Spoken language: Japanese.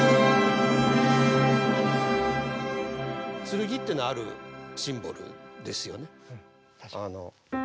剣っていうのはあるシンボルですよね。